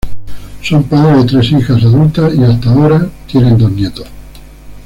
Son padres de tres hijas adultas y –hasta ahora- tienen dos nietos.